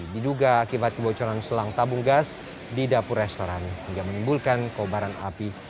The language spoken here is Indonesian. diduga akibat kebocoran selang tabung gas di dapur restoran hingga menimbulkan kobaran api